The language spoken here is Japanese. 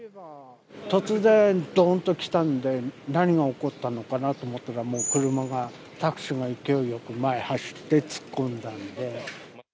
突然、どんっときたんで、何が起こったのかなと思ってたら、もう車が、タクシーが勢いよく前走って突っ込んだんで。